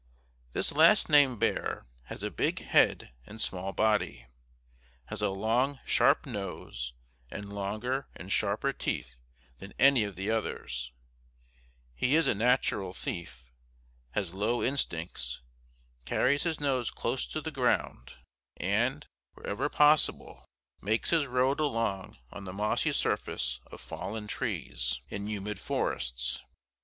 This last named bear has a big head and small body; has a long, sharp nose and longer and sharper teeth than any of the others; he is a natural thief, has low instincts, carries his nose close to the ground, and, wherever possible, makes his road along on the mossy surface of fallen trees in humid forests.